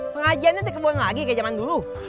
pengajiannya dikebun lagi kayak zaman dulu